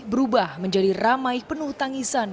berubah menjadi ramai penuh tangisan